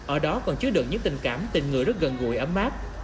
ở đó còn chứa được những tình cảm tình người rất gần gũi ấm áp